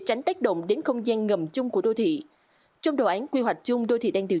tránh tác động đến không gian ngầm chung của đô thị trong đồ án quy hoạch chung đô thị đang điều